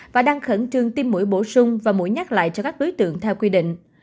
và đang khẩn trương tiêm mũi bổ sung và mũi nhắc lại cho các đối tượng theo quy định